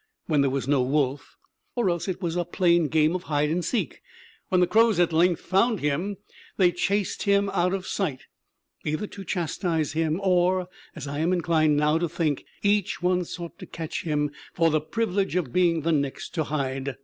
_ when there was no wolf, or else it was a plain game of hide and seek. When the crows at length found him they chased him out of sight, either to chastise him, or, as I am inclined now to think, each one sought to catch him for the privilege of being the next to hide.